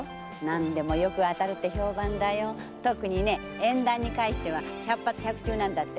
特にね縁談にかんしては百発百中なんだって。